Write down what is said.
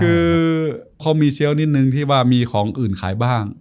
คือเขามีเซียวนิดนึงที่ว่ามีของอื่นขายบ้าง